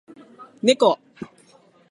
ねこ